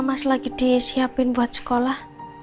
mas lagi disiapin buat sekolah